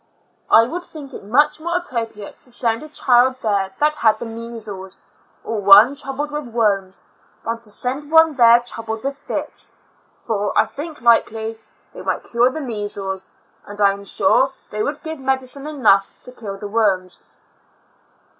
I would think it much more appropriate to send a child there that had the measles, or one troubled with worms, than to send one there trou bled with fits, for, I think likely, they might cure the measles, and I am sure they would give medicine enough to kill the worms.